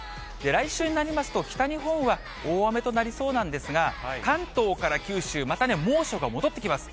来週になりますと、北日本は大雨となりそうなんですが、関東から九州、またね、猛暑が戻ってきます。